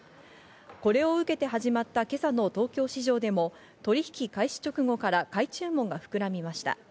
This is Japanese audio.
これを受けて始まった今朝の東京市場でも取引開始直後から買い注文が膨らみました。